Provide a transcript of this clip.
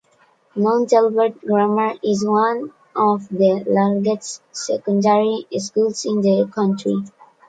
Mount Albert Grammar is one of the largest secondary schools in the country.